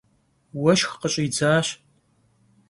Vueşşx khış'idzaş.